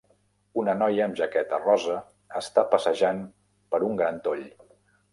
Una noia amb jaqueta rosa està passejant per un gran toll.